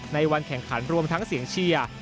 ในวันแข่งขันรวมทั้งเสียงเชียร์